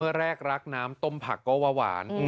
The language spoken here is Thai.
เมื่อแรกรักน้ำต้มผักก็วะหวาน